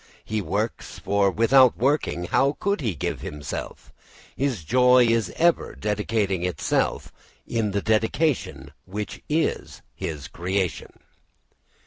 He works, for without working how could he give himself. His joy is ever dedicating itself in the dedication which is his creation.